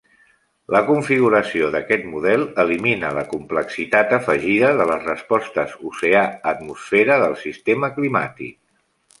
La configuració d'aquest model elimina la complexitat afegida de les respostes oceà-atmosfera del sistema climàtic.